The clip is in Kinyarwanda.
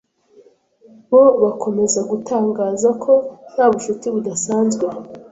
bo bakomeza gutangaza ko nta bucuti budashanzwe